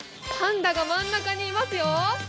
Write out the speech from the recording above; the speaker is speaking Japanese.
パンダが真ん中にいますよ。